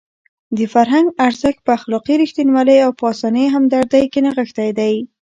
د فرهنګ ارزښت په اخلاقي رښتینولۍ او په انساني همدردۍ کې نغښتی دی.